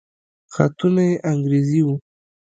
خطونه يې انګريزي وو.